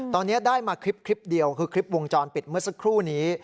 ตอนนี้ได้มาคลิปเดียวคือคลิปวงจรปิดเมื่อสักครู่นี้